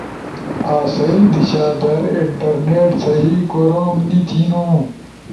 آسئی دیشا در انٹرنیٹ سہی کوروم نی تھینو۔